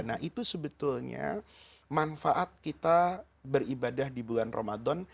nah itu sebetulnya manfaat kita beribadah di bulan ramadan